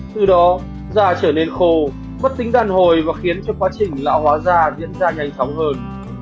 từ đó da trở nên khô mất tính đàn hồi và khiến cho quá trình lão hóa da diễn ra nhanh chóng hơn